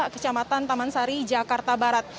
kecamatan taman sari jakarta barat